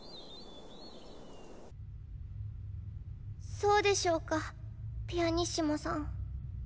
そうでしょうかピアニッシモさん。